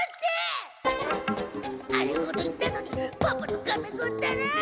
あれほど言ったのにパパとカメ子ったら！